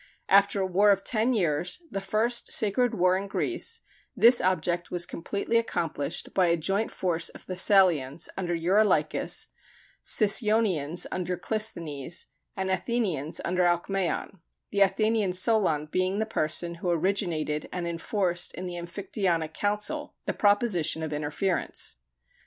After a war of ten years, the first sacred war in Greece, this object was completely accomplished by a joint force of Thessalians under Eurolychus, Sicyonians under Clisthenes, and Athenians under Alemæon; the Athenian Solon being the person who originated and enforced in the Amphictyonic council the proposition of interference.